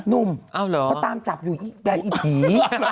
หนุ่มเขาตามจับอยู่แฟนอีผี